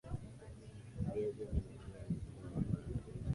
Viazi viliingia vikiwa imara.